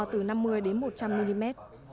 từ năm mươi đến một trăm linh mm